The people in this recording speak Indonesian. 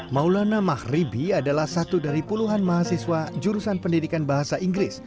maulana mahribi adalah satu dari puluhan mahasiswa jurusan pendidikan bahasa inggris